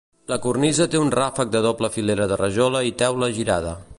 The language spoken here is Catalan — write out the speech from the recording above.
La cornisa té un ràfec de doble filera de rajola i teula girada.